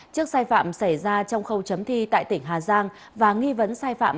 trước sai phạm xảy ra trong khâu chấm thi tại tỉnh hà giang và nghi vấn sai phạm